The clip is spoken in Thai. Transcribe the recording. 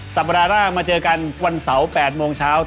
สัปดาห์หน้ามาเจอกันวันเสาร์๘โมงเช้า